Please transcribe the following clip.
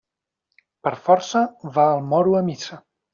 Per força va el moro a missa.